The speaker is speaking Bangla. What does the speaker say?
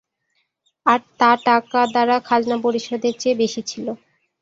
আর তা টাকা দ্বারা খাজনা পরিশোধের চেয়ে বেশি ছিল।